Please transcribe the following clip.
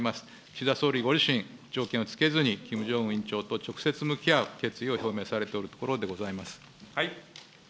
岸田総理ご自身、条件を付けずに、キム・ジョンウン委員長と直接向き合う決意を表明されておるところでございます。